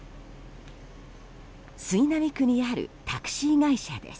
杉並区にあるタクシー会社です。